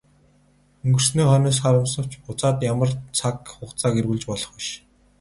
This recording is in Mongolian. Өнгөрсний хойноос харамсавч буцаад ямар цаг хугацааг эргүүлж болох биш.